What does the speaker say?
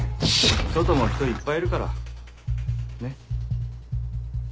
外も人いっぱいいるからねっ。